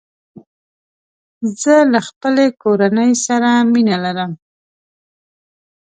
زه له خپلې کورني سره مینه لرم.